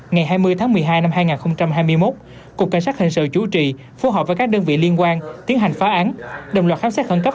ngày hai mươi tháng một mươi hai năm hai nghìn hai mươi một cục cảnh sát hình sự chủ trì phối hợp với các đơn vị liên quan tiến hành phá án đồng loạt khám xét khẩn cấp